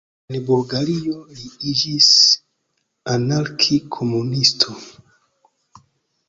En Bulgario li iĝis anarki-komunisto.